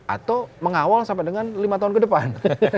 atau mengawal sampai dengan lima tahun ke depan